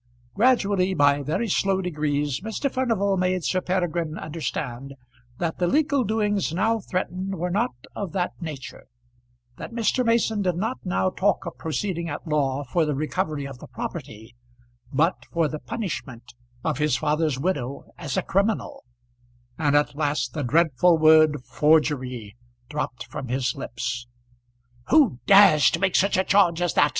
Gradually, by very slow degrees, Mr. Furnival made Sir Peregrine understand that the legal doings now threatened were not of that nature; that Mr. Mason did not now talk of proceeding at law for the recovery of the property, but for the punishment of his father's widow as a criminal; and at last the dreadful word "forgery" dropped from his lips. "Who dares to make such a charge as that?"